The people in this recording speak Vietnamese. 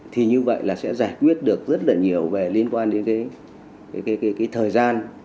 thì như vậy là sẽ giải quyết được rất là nhiều về liên quan đến cái thời gian